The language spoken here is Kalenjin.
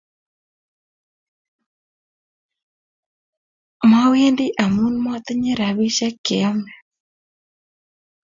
Mawendi amun matinye rapistek che yame